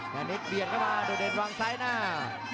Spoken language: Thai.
แต่เล็กเบียดเข้ามาโดดเด่นวางซ้ายหน้า